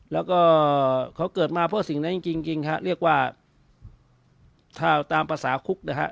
แล้วก็เขาเกิดมาเพราะสิ่งนั้นจริงฮะเรียกว่าถ้าตามภาษาคุกนะฮะ